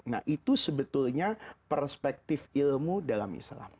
nah itu sebetulnya perspektif ilmu dalam islam